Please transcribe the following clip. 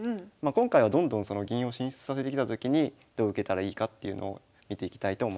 今回はどんどんその銀を進出させてきたときにどう受けたらいいかっていうのを見ていきたいと思います。